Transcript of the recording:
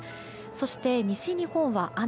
そして西日本は雨。